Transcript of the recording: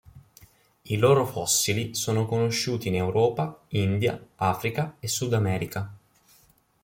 I loro fossili sono conosciuti in Europa, India, Africa e Sudamerica.